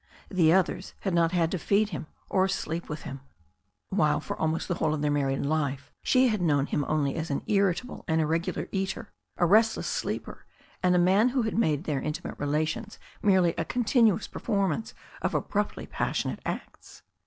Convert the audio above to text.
The others had not had to feed him or sleep with him; while, for almost the whole of their married life, she had known him only as an irritable and irregular eater, a restless sleeper, and a man who had made their intimate relations merely a continuous performance of abruptly passionate acts.